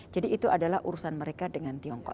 jadi itu adalah urusan mereka dengan tiongkok